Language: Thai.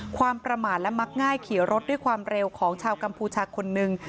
ความประมาทและมักง่ายขี่รถด้วยความเร็วของชาวกัมพูชาคนหนึ่ง